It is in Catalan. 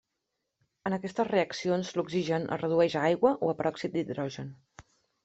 En aquestes reaccions l'oxigen es redueix a aigua o a peròxid d'hidrogen.